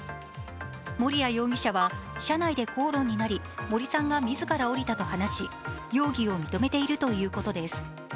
森谷容疑者は車内で口論になり、森さんが自ら降りたと話し容疑を認めているということです。